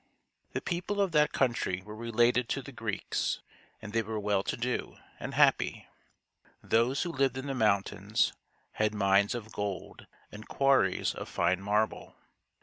The people of that country were related to the Greeks, and they were well to do and happy. Those who lived in the mountains had mines of gold and quarries of fine marble.